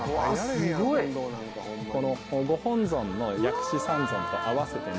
このご本尊の薬師三尊と合わせて。